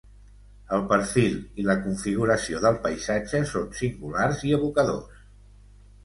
El perfil i la configuració del paisatge són singulars i evocadors.